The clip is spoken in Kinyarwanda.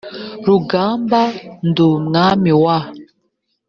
rugamba d umwami wa